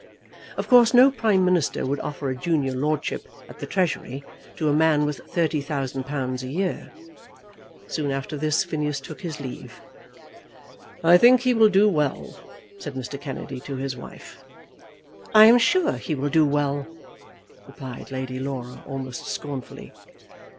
Of course no Prime Minister would offer a junior lordship at the Treasury to a man with £30,000 a year. Soon after this Phineas took his leave. "I think he will do well," said Mr. Kennedy to his wife. "I am sure he will do well," replied Lady Laura, almost scornfully.